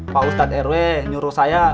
pak ustadz rw nyuruh saya